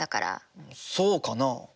そうかな？